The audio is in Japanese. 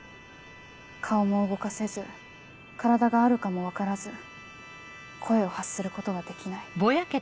顔も動かせず体があるかも分からず声を発することができない。